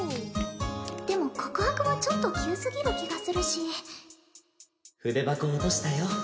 でも告白はちょっと急すぎる気がするし筆箱落としたよ